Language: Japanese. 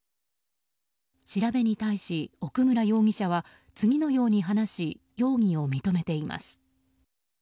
調べに対し奥村容疑者は次のように話し容疑を認めています。